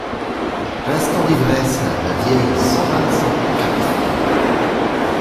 Instans d’yvresse Lavieille cent vingt cent quatre.